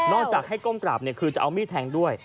นอกจากให้ก้มกราบเนี่ยคือจะเอามีดแทงด้วย